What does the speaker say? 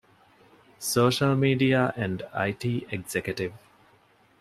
ސޯޝަލްމީޑިއާ އެންޑް އައި.ޓީ އެގްޒެކެޓިވް